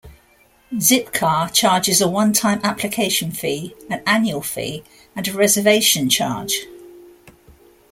Zipcar charges a one-time application fee, an annual fee, and a reservation charge.